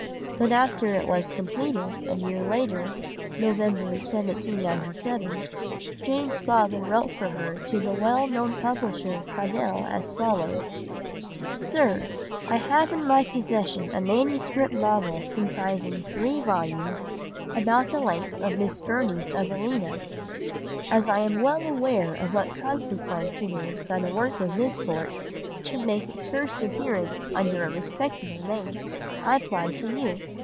But after it was completed, a year later, November 1797, Jane's father wrote for her to the well known publisher Cadell as follows:— "SIR,—I have in my possession a manuscript novel comprising 3 vols. about the length of Miss Burney's Evelina. As I am well aware of what consequence it is that a work of this sort should make its first appearance under a respectable name, I apply to you.